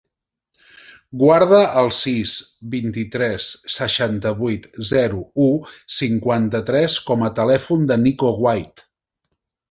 Guarda el sis, vint-i-tres, seixanta-vuit, zero, u, cinquanta-tres com a telèfon del Niko White.